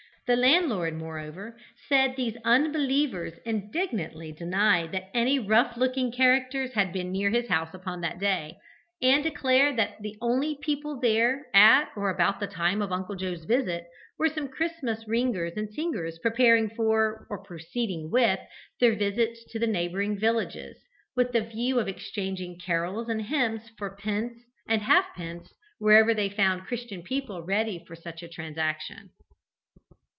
The landlord, moreover, said these unbelievers, indignantly denied that any "rough looking characters" had been near his house upon that day, and declared that the only people there at or about the time of Uncle Joe's visit were some Christmas ringers and singers preparing for, or proceeding with, their visits to the neighbouring villages, with the view of exchanging carols and hymns for pence and half pence wherever they found Christian people ready for such a transaction.